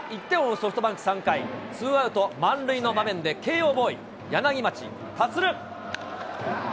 ソフトバンク、３回、ツーアウト満塁の場面で慶応ボーイの柳町達。